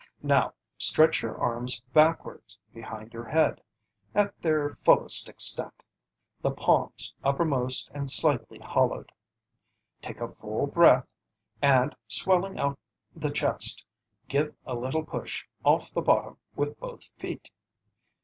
Now stretch your arms backwards behind your head, at their fullest extent, the palms uppermost and slightly hollowed. Take a full breath, and swelling out the chest, give a little push off the bottom with both feet.